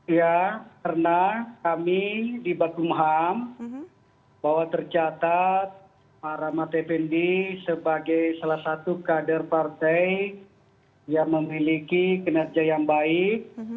ya karena kami di bakumham bahwa tercatat pak rahmat effendi sebagai salah satu kader partai yang memiliki kinerja yang baik